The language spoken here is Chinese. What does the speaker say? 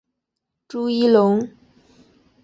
朱一龙